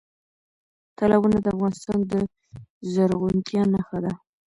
تالابونه د افغانستان د زرغونتیا نښه ده.